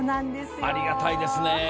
ありがたいですね。